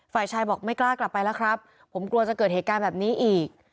ฝ่ายชายบอกไม่กล้ากลับไปแล้วครับผมกลัวจะเกิดเหตุการณ์แบบนี้อีก